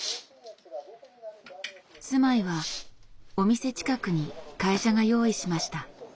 住まいはお店近くに会社が用意しました。